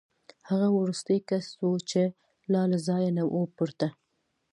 هغه وروستی کس و چې لا له ځایه نه و پورته